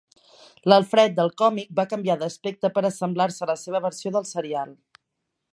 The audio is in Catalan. L'Alfred del còmic va canviar d'aspecte per assemblar-se a la seva versió del serial.